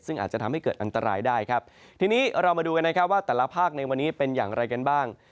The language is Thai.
ซึ่งอาจจะทำให้เกิดอันตรายได้ครับทีนี้เรามาดูกันนะครับว่าแต่ละภาคในวันนี้เป็นอย่างไรกันบ้าง